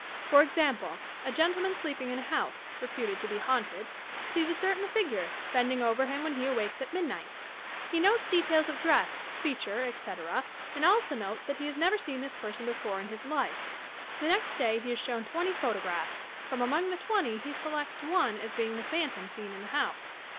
For example : a gentleman sleeping in a house, reputed to be haunted, sees a certain figure, bending over him when he awakes at midnight. lie notes de tails of dress, feature, etc., and al.so notes that he has never seen this person before in his life. The next day he is shown twenty photographs. From among the twenty he selects one as being the phantom seen in the house.